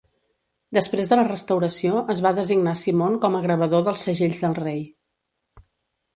Després de la Restauració, es va designar Simon com a gravador dels segells del rei.